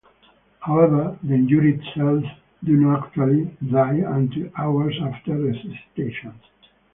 However, the injured cells do not actually die until hours after resuscitation.